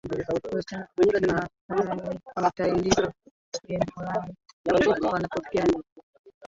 Wasichana wa kimasai hutahiriwa emorata wanapofikia balehe